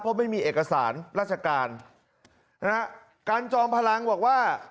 เพราะไม่มีเอกสารราชการนะฮะการจอมพลังบอกว่า